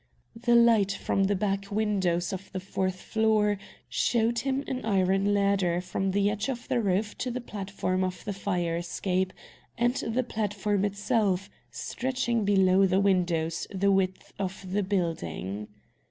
The light from the back windows of the fourth floor showed him an iron ladder from the edge of the roof to the platform of the fire escape, and the platform itself, stretching below the windows the width of the building.